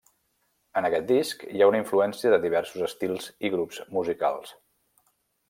En aquest disc hi ha influència de diversos estils i grups musicals.